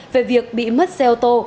về việc bị mất xe ô tô